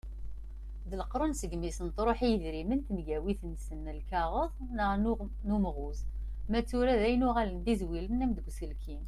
D leqrun segmi i sen-truḥ i yedrimen tengawit-nsen n lkaɣeḍ neɣ n umɣuz. Ma d tura dayen uɣalen d izwilen am deg uselkim.